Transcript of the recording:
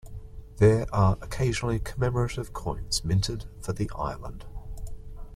There are occasionally commemorative coins minted for the island.